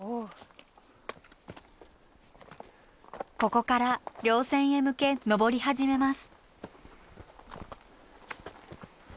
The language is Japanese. ここから稜線へ向け登り始めます。